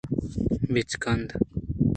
بچکند